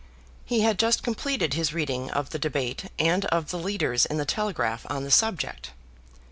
He had just completed his reading of the debate and of the leaders in the Telegraph on the subject.